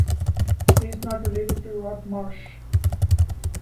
He is not related to Rod Marsh.